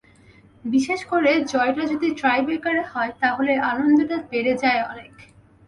বিশেষ করে জয়টা যদি টাইব্রেকারে হয়, তাহলে আনন্দটা বেড়ে যায় অনেক।